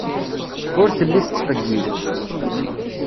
Ur telli tettqeyyil.